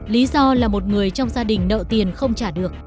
lý do là một người trong gia đình nợ tiền không trả được